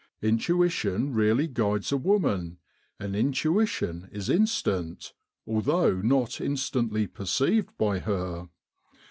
Intuition really guides a woman, and intuition is instant, although not instantly perceived by her.